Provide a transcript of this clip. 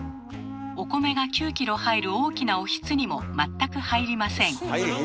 お米が９キロ入る大きなおひつにも全く入りません。